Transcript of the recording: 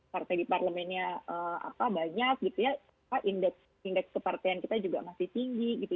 partai di parlemennya banyak gitu ya indeks kepartean kita juga masih tinggi gitu